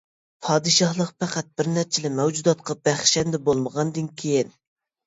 پادىشاھلىق پەقەت بىر نەچچىلا مەۋجۇداتقا بەخشەندە بولمىغاندىن كېيىن.